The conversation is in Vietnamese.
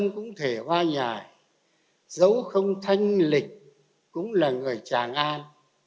nó cũng thể hoa nhài dấu không thanh lịch cũng là người chàng an